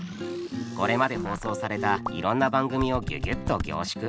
これまで放送されたいろんな番組をギュギュッと凝縮。